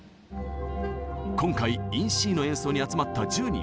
今回「ＩｎＣ」の演奏に集まった１０人。